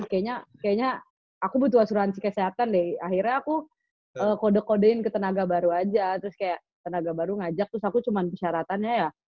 kayaknya aku butuh asuransi kesehatan deh akhirnya aku kode kodein ke tenaga baru aja terus kayak tenaga baru ngajak terus aku cuma persyaratannya ya